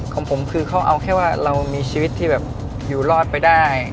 ของผมคือเขาเอาแค่ว่าเรามีชีวิตที่แบบอยู่รอดไปได้